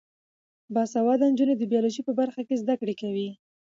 باسواده نجونې د بیولوژي په برخه کې زده کړې کوي.